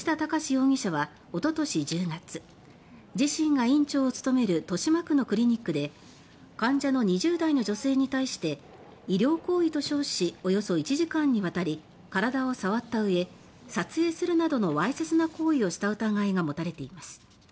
容疑者はおととし１０月自身が院長を務める豊島区のクリニックで患者の２０代の女性に対して医療行為と称しおよそ１時間にわたり身体をさわったうえ撮影するなどのわいせつな行為をした疑いが持たれています。